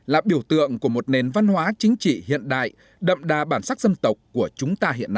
là biểu tượng của một nền văn hóa chính trị hiện đại đậm đà bản sắc dân tộc của chúng ta hiện nay